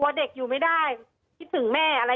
มันเป็นอาหารของพระราชา